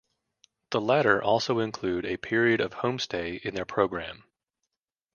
The latter also include a period of homestay in their programme.